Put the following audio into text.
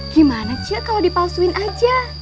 gimana cia kalau dipalsuin aja